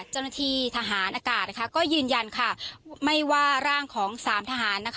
เจ้าหน้าที่ทหารอากาศก็ยืนยันไม่ว่าร่างของ๓ทหาร